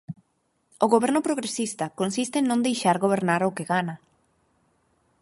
O Goberno progresista consiste en non deixar gobernar o que gana.